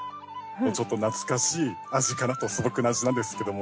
ちょっと懐かしい味かなと素朴な味なんですけども。